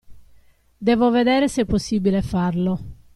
Devo vedere se è possibile farlo.